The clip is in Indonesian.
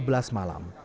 tepat pukul sebelas malam